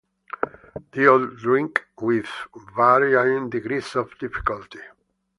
They all drink, with varying degrees of difficulty.